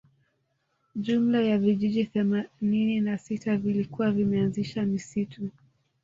Jumla ya vijiji themanini na sita vilikuwa vimeanzisha misitu